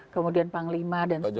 kemudian panglima dan seterusnya